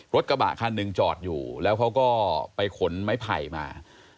รถกระบะคันหนึ่งจอดอยู่แล้วเขาก็ไปขนไม้ไผ่มา